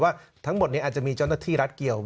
ว่าทั้งหมดนี้อาจจะมีเจ้าหน้าที่รัฐเกี่ยว